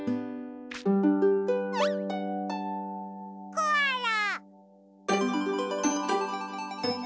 コアラ。